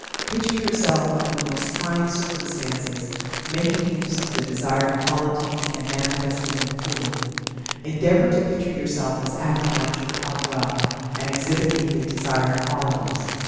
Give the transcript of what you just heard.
Picture yourself under the most trying circumstances, making use of the desired qualities, and manifesting them fully. Endeavor to picture yourself as acting out your part well, and exhibiting the desired qualities.